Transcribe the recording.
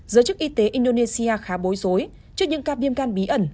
giới chức y tế indonesia khá bối rối trước những ca viêm gan bí ẩn